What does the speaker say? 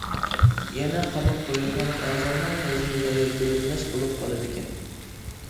يەنە قاماپ قۇيۇلغان ئەزانىڭ يازمىلىرى كۆرۈنمەس بولۇپ قالىدىكەن.